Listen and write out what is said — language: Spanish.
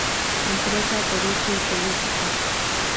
Empresa, derecho y política.